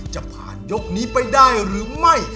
จะผ่านยกนี้ไปได้หรือไม่